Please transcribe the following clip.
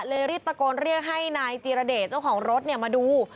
รีบตะโกนเรียกให้นายจีรเดชเจ้าของรถมาดู